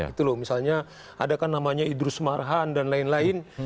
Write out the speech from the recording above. gitu loh misalnya ada kan namanya idrus marhan dan lain lain